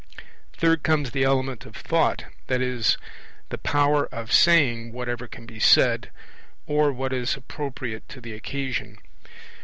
Third comes the element of Thought, i.e. the power of saying whatever can be said, or what is appropriate to the occasion.